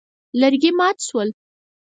لرګي مات شول.